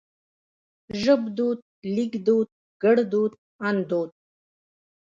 ژبدود ليکدود ګړدود اندود